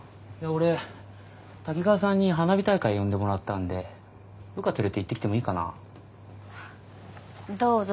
俺滝川さんに花火大会呼んでもらったんで部下連れて行ってきてもいいかな？どうぞ。